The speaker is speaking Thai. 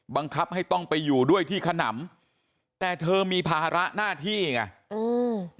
บังคับให้ต้องไปอยู่ด้วยที่ขนำแต่เธอมีภาระหน้าที่ไงอืม